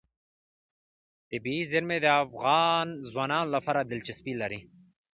طبیعي زیرمې د افغان ځوانانو لپاره دلچسپي لري.